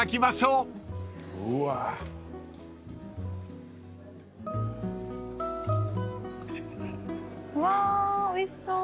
うわおいしそう。